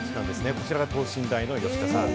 こちらが等身大の吉田選手。